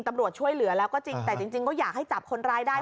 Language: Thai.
ตำรวจช่วยเหลือแล้วก็จริงแต่จริงก็อยากให้จับคนร้ายได้